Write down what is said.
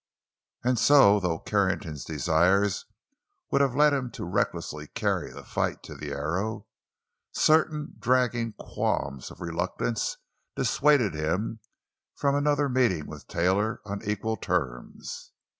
And so, though Carrington's desires would have led him to recklessly carry the fight to the Arrow, certain dragging qualms of reluctance dissuaded him from another meeting with Taylor on equal terms.